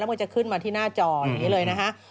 แล้วมันก็จะขึ้นมาที่หน้าจออย่างนี้เลยนะครับ